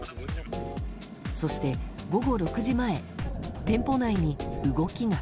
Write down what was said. そして、午後６時前店舗内に動きが。